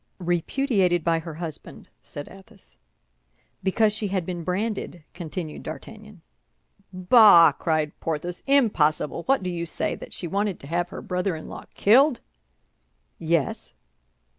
"Repudiated by her husband," said Athos. "Because she had been branded," continued D'Artagnan. "Bah!" cried Porthos. "Impossible! What do you say—that she wanted to have her brother in law killed?" "Yes."